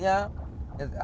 iya memang macam itu